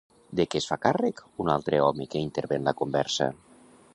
De què es fa càrrec un altre home que intervé en la conversa?